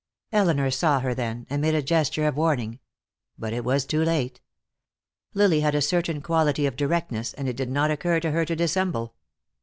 Elinor saw her then, and made a gesture of warning. But it was too late. Lily had a certain quality of directness, and it did not occur to her to dissemble.